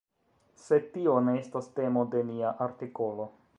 Sed tio ne estas temo de nia artikolo.